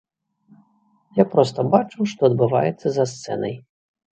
Я проста бачыў, што адбываецца за сцэнай.